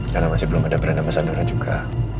karena masih belum ada brand ambasadornya juga